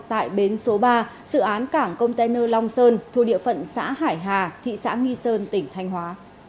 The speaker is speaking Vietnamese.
tại bến số ba dự án cảng container long sơn thu địa phận xã hải hà thị xã nghi sơn tỉnh thanh hóa